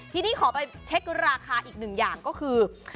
ทีนี้ขอไปเช็คราคาอีกหนึ่งอย่างก็คือ